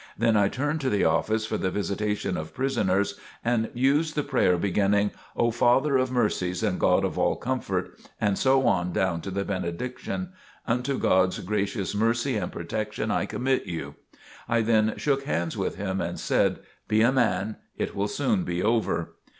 Then I turned to the office for the Visitation of Prisoners, and used the prayer beginning, "O Father of Mercies and God of all Comfort," and so on down to the benediction, "Unto God's gracious mercy and protection I commit you." I then shook hands with him and said: "Be a man! It will soon be over!"